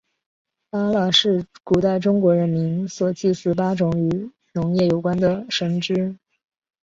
八蜡是古代中国人民所祭祀八种与农业有关的神只。